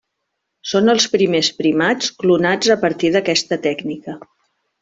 Són els primers primats clonats a partir d'aquesta tècnica.